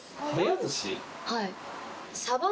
はい。